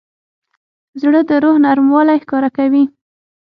زړه د روح نرموالی ښکاره کوي.